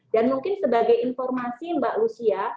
dan mungkin sebagai informasi mbak lucia